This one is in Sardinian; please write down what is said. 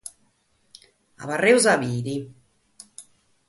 Istemus a bìdere.